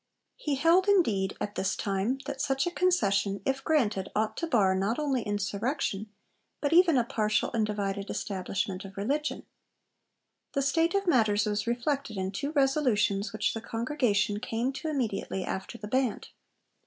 He held, indeed, at this time, that such a concession, if granted, ought to bar not only insurrection, but even a partial and divided establishment of religion. The state of matters was reflected in two resolutions which the Congregation came to immediately after the Band.